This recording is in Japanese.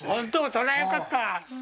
それはよかった。